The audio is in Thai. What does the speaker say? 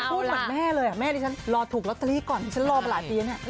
พูดเหมือนแม่เลยแม่ดิฉันรอถูกลอตเตอรี่ก่อนที่ฉันรอมาหลายปีเนี่ย